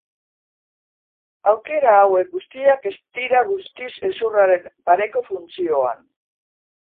Aukera hauek guztiak ez dira guztiz hezurraren pareko funtzioan.